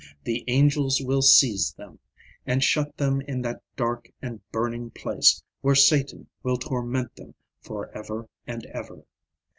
The angels will seize them, and shut them in that dark and burning place where Satan will torment them for ever and ever.